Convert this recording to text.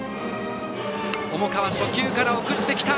重川、初球から送ってきた。